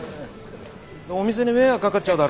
お店に迷惑かかっちゃうだろ。